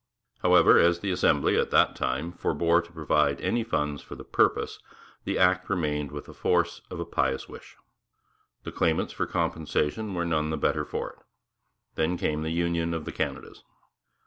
However, as the Assembly, at the same time, forbore to provide any funds for the purpose, the Act remained with the force of a pious wish. The claimants for compensation were none the better for it. Then came the union of the Canadas.